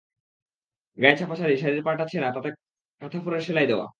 গায়ে ছাপা শাড়ি, শাড়ির পাড়টা ছেঁড়া, তাতে কাঁথা ফোঁড়ের সেলাই দেওয়া।